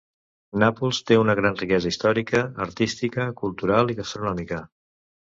Nàpols té una gran riquesa històrica, artística, cultural i gastronòmica.